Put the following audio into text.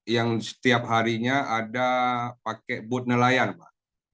yang setiap harinya ada pakai booth nelayan pak